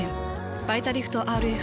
「バイタリフトＲＦ」。